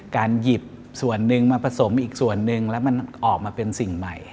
การหยิบส่วนหนึ่งมาผสมอีกส่วนหนึ่งแล้วมันออกมาเป็นสิ่งใหม่